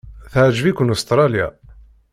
Teɛjeb-iken Ustṛalya?